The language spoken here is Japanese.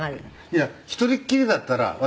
「いや１人っきりだったら私